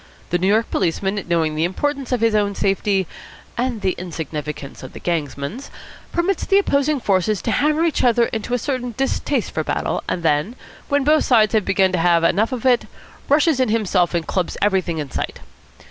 The New York policeman, knowing the importance of his own safety, and the insignificance of the gangsman's, permits the opposing forces to hammer each other into a certain distaste for battle, and then, when both sides have begun to have enough of it, rushes in himself and clubs everything in sight.